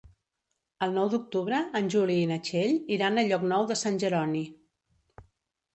El nou d'octubre en Juli i na Txell iran a Llocnou de Sant Jeroni.